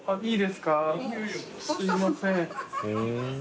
すみません。